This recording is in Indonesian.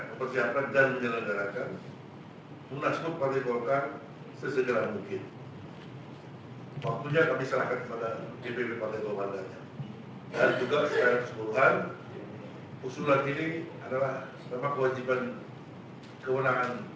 mempersiapkan dan menyelenggarakan unasku partai golongan karya sesegera mungkin